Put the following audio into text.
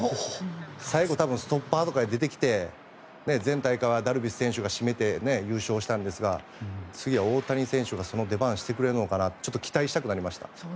最後、ストッパーとかで出てきて全大会はダルビッシュ選手が締めて、優勝したんですが次は大谷選手がその出番をしてくれるのかなとちょっと期待したくなりました。